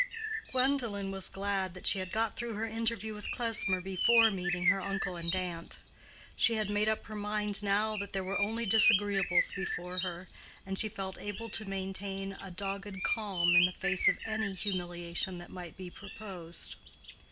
Gwendolen was glad that she had got through her interview with Klesmer before meeting her uncle and aunt. She had made up her mind now that there were only disagreeables before her, and she felt able to maintain a dogged calm in the face of any humiliation that might be proposed.